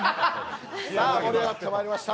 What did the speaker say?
さあ盛り上がってまいりました、